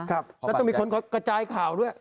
แล้วต้องมีคนกระจายข่าวด้วย